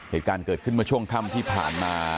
เหตุการณ์เกิดขึ้นเมื่อช่วงค่ำที่ผ่านมา